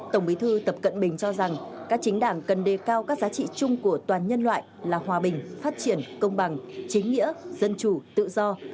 tổng bí thư tập cận bình cho rằng các chính đảng cần đề cao các giá trị chung của toàn nhân loại là hòa bình phát triển công bằng chính nghĩa dân chủ tự do